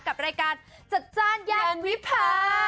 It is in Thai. กับรายการจัดจ้านย่านวิพา